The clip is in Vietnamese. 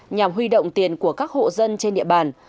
nhằm huy động tiền của các hộ dân trên địa bàn